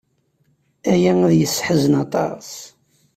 Aya ad yesseḥzen aṭas.